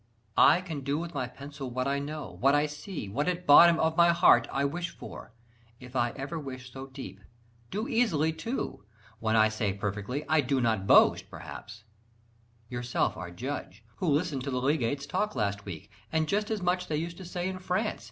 I can do with my pencil what I know, What I see, what at bottom of my heart I wish for, if I ever wish so deep Do easily, too when I say perfectly I do not boast, perhaps: yourself are judge Who listened to the Legate's talk last week, And just as much they used to say in France.